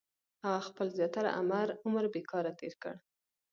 • هغه خپل زیاتره عمر بېکاره تېر کړ.